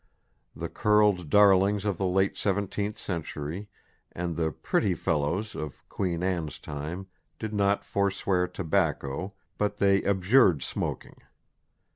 The curled darlings of the late seventeenth century and the "pretty fellows" of Queen Anne's time did not forswear tobacco, but they abjured smoking.